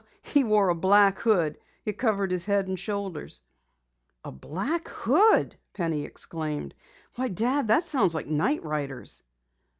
"He wore a black hood. It covered his head and shoulders." "A black hood!" Penny exclaimed. "Why, Dad, that sounds like night riders!"